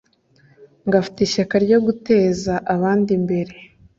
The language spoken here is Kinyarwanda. ngo afite ishyaka ryo guteza abandi imbere